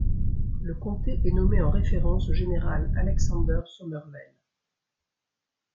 Le comté est nommé en référence au général Alexander Somervell.